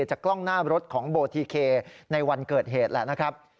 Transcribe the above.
จากกล้องหน้ารถของโบทีเคในวันเกิดเหตุแหละนะครับ